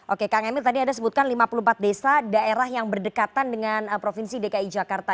oke kang emil tadi anda sebutkan lima puluh empat desa daerah yang berdekatan dengan provinsi dki jakarta